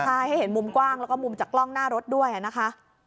ใช่ให้เห็นมุมกว้างแล้วก็มุมจากกล้องหน้ารถด้วยนะคะ